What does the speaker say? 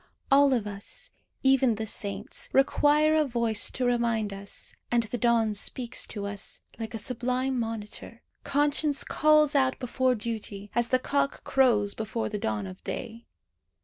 All of us, even the saints, require a voice to remind us; and the dawn speaks to us, like a sublime monitor. Conscience calls out before duty, as the cock crows before the dawn of day.